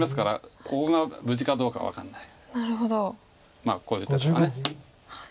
まあこういう手とか。